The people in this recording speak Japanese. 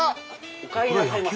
・おかえりなさいませ。